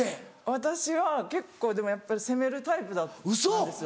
私は結構でもやっぱり攻めるタイプだったんですよ。